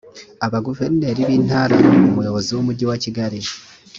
abaguverineri b intara umuyobozi w umujyi wa kigali